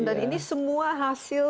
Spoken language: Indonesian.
dan ini semua hasil kreatif